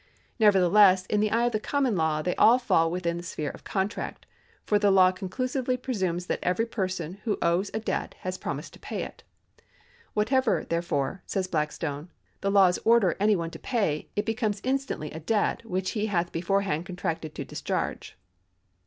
Nevertheless, in the eye of the common law they all fall within the sphere of contract ; for the law conclusively presumes that every person who owes a debt has promised to pay it. " Whatever, therefore," says Blackstone,^ " the laws order any one to pay, that becomes instantly a debt which he hath beforehand contracted to discharge."